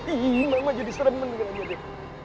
ih mama jadi serem mendengarnya den